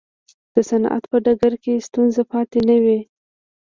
د صنعت په ډګر کې ستونزه پاتې نه وي.